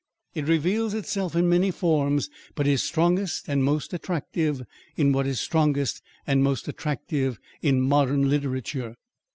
It reveals itself in many forms; but is strongest and most attractive in what is strongest and most attractive in modern literature.